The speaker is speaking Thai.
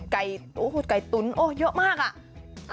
ไก่ตุ๋นโอ้ยเยอะมากอ่ะ